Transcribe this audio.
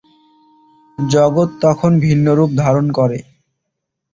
জগৎ তখন ভিন্নরূপ ধারণ করে।